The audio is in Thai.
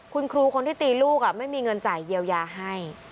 คุณครูคนที่ตีลูกไม่มีเงินจ่ายเยียวยาให้